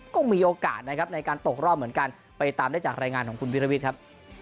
ก็มีโอกาสนะครับในการตกรอบเหมือนกันไปตามได้จากรายงานของคุณวิรวิทย์ครับ